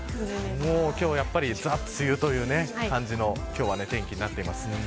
今日はザ・梅雨という感じの天気になっています。